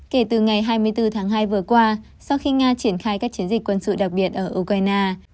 kể từ ngày hai mươi bốn tháng hai vừa qua sau khi nga triển khai các chiến dịch quân sự đặc biệt ở ukraine